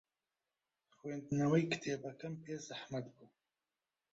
خوێندنەوەی کتێبەکەم پێ زەحمەت بوو.